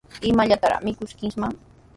¿Imallataraq mikuskiiman?